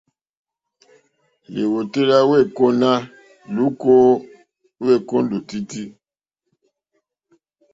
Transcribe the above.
Lìwòtéyá wèêkóná lùúkà wêkóndòtítí.